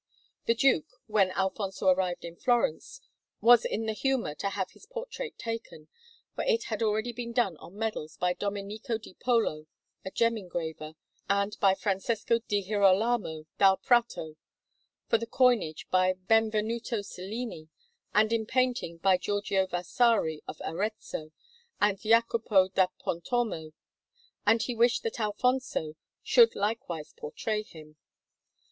The Duke, when Alfonso arrived in Florence, was in the humour to have his portrait taken; for it had already been done on medals by Domenico di Polo, a gem engraver, and by Francesco di Girolamo dal Prato, for the coinage by Benvenuto Cellini, and in painting by Giorgio Vasari of Arezzo and Jacopo da Pontormo, and he wished that Alfonso should likewise portray him.